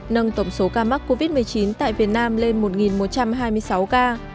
nâng tổng số ca mắc covid một mươi chín tại việt nam lên một một trăm hai mươi sáu ca